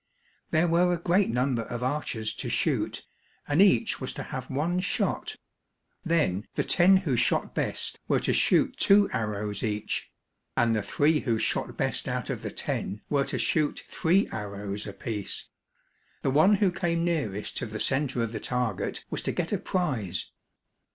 There were a great number of archers to shoot and each was to have one shot. Then the ten who shot best were to shoot two arrows each; and the three who shot best out of the ten were to shoot three arrows apiece. The one who came nearest to the center of the target was to get a prize.